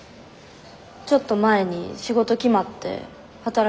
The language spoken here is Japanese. ちょっと前に仕事決まって働きだして。